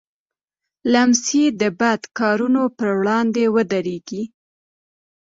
لمسی د بد کارونو پر وړاندې ودریږي.